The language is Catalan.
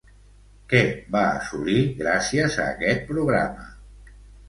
Què va assolir gràcies a aquest programa?